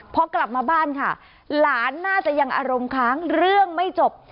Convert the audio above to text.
พอกลับมาบ้านค่ะหลานน่าจะยังอารมณ์ค้างเรื่องไม่จบ